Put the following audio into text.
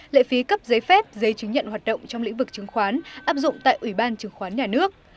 lệ phí cấp giấy phép giấy chứng nhận hoạt động trong lĩnh vực chứng khoán áp dụng tại ủy ban chứng khoán nhà nước